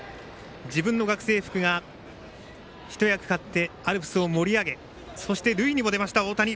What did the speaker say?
自分の学生服が一役買ってアルプスを盛り上げそして、塁にも出ました、大谷。